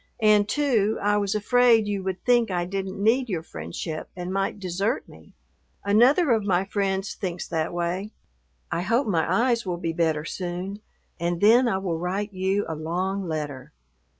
And, too, I was afraid you would think I didn't need your friendship and might desert me. Another of my friends thinks that way. I hope my eyes will be better soon and then I will write you a long letter.